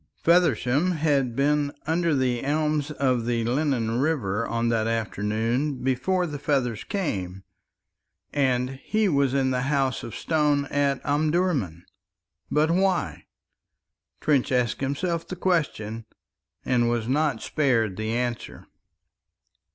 Feversham had been under the elms of the Lennon River on that afternoon before the feathers came, and he was in the House of Stone at Omdurman. But why? Trench asked himself the question and was not spared the answer.